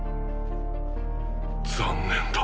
残念だ。